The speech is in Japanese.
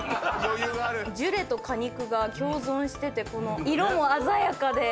ジュレと果肉が共存してて色も鮮やかで。